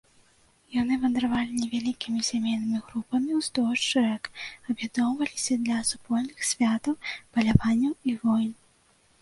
Яны вандравалі невялікімі сямейнымі групамі ўздоўж рэк, аб'ядноўваліся для супольных святаў, паляванняў і войн.